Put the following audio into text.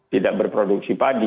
tidak berproduksi padi